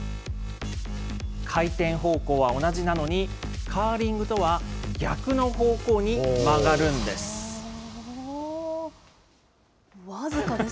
回転方向は同じなのに、カーリングとは逆の方向に曲がるんです。